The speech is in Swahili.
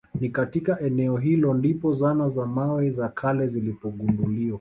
Ni katika eneo hilo ndipo zana za mawe za kale zilipogunduliwa